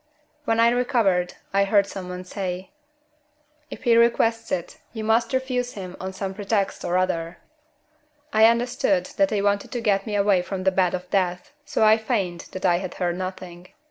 When I recovered, I heard some one say: "If he requests it, you must refuse him on some pretext or other." I understood that they wanted to get me away from the bed of death and so I feigned that I had heard nothing.